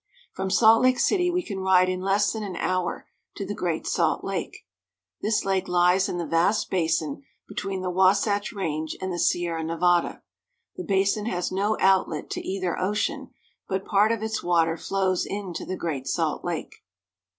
From Salt Lake City we can ride in less than an hour to the Great Salt Lake. This lake lies in the vast basin between the Wasatch Range and the Sierra Nevada. The basin has no outlet to either ocean, but part of its water flows into the Great Salt Lake.